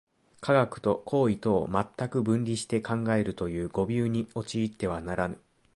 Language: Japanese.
科学と行為とを全く分離して考えるという誤謬に陥ってはならぬ。